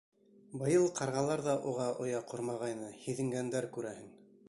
Быйыл ҡарғалар ҙа уға оя ҡормағайны, һиҙенгәндәр, күрәһең.